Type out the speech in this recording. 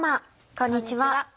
こんにちは。